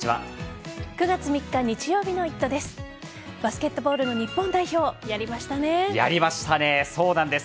９月３日日曜日の「イット！」です。